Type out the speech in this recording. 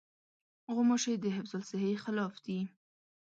غوماشې د حفظالصحې خلاف دي.